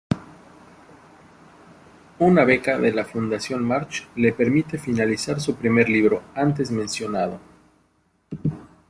Una beca de la Fundación March le permite finalizar su primer libro, antes mencionado.